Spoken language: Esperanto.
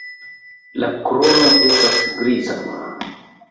La krono estas griza.